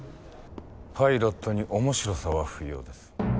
パイロットに面白さは不要です。